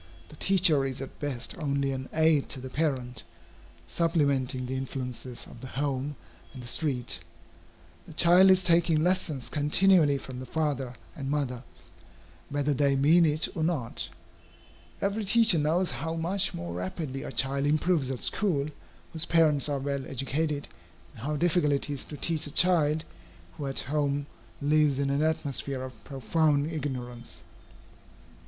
The teacher is at best only an aid to the parent, supplementing the influences of the home and the street. The child is taking lessons continually from the father and mother, whether they mean it or not. Every teacher knows how much more rapidly a child improves at school, whose parents are well educated, and how difficult it is to teach a child who at home lives in an atmosphere of profound ignorance.